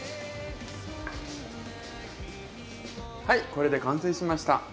はいこれで完成しました。